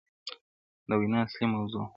د وینا اصلي موضوع -